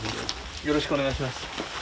よろしくお願いします。